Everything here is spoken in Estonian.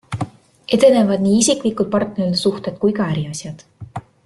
Edenevad nii isiklikud partnerlussuhted kui ka äriasjad.